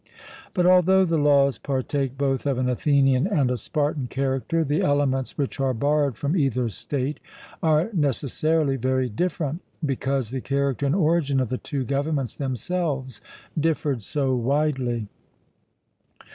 But although the Laws partake both of an Athenian and a Spartan character, the elements which are borrowed from either state are necessarily very different, because the character and origin of the two governments themselves differed so widely.